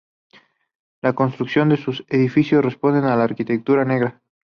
La construcción de sus edificios responden a la arquitectura negra.